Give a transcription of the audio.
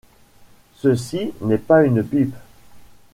ceci n'est pas une pipe ».